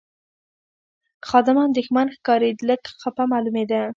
خادم اندېښمن ښکارېد، لږ خپه معلومېده.